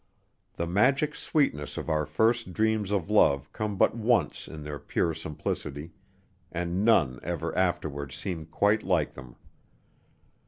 The magic sweetness of our first dreams of love come but once in their pure simplicity; and none ever afterward seem quite like them.